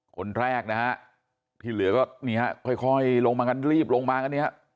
คนแรกนะฮะที่เหลือจะหลายลงมากันเรียบลงมากัน